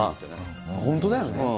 本当だよね。